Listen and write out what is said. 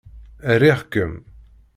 Riɣ-kem!